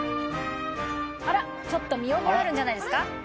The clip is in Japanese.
あらちょっと見覚えあるんじゃないですか？